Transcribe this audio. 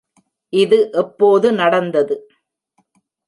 இது எப்போது நடந்தது?